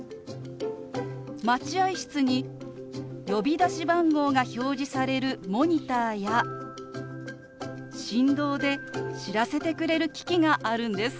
待合室に呼び出し番号が表示されるモニターや振動で知らせてくれる機器があるんです。